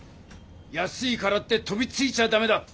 安いからって飛びついちゃダメだ！